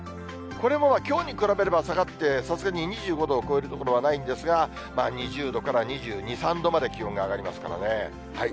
これもきょうに比べれば下がって、さすがに２５度を超える所はないんですが、２０度から２２、３度まで気温が上がりますからね。